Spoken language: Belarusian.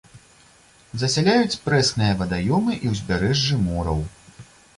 Засяляюць прэсныя вадаёмы і ўзбярэжжы мораў.